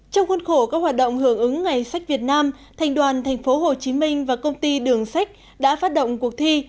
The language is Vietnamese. trong khuôn khổ các hoạt động hưởng ứng ngày sách việt nam thành đoàn thành phố hồ chí minh và công ty đường sách đã phát động cuộc thi